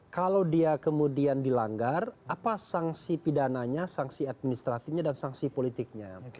kalau dia kemudian dilanggar apa sanksi pidananya sanksi administratifnya dan sanksi politiknya